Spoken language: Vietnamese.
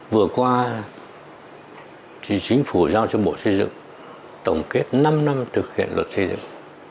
vừa qua thì chính phủ giao cho bộ xây dựng tổng kết năm năm thực hiện luật xây dựng